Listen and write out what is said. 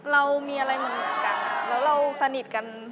เรามีอะไรเหมือนกันแล้วเราสนิทกัน